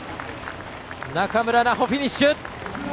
仲村奈穂、フィニッシュ。